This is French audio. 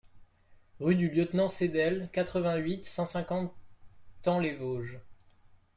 Rue du Lieutenant Seidel, quatre-vingt-huit, cent cinquante Thaon-les-Vosges